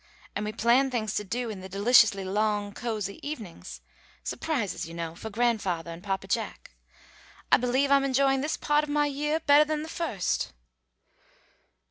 And we plan things to do in the deliciously long cosy evenings surprises, you know, for grandfathah and Papa Jack. I believe I'm enjoying this pah't of my yeah bettah than the first."